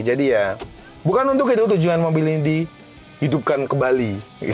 jadi ya bukan untuk itu tujuan mobil ini dihidupkan ke bali